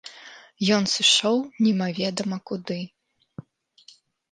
Ён сышоў немаведама куды.